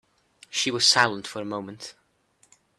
She was silent for a moment.